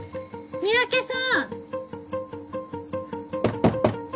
三宅さん